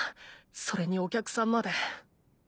それにお客さんまで。